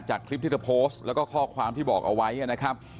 จากคลิปที่เธอโพสต์แล้วก็ข้อความที่บอกเอาไว้นะครับ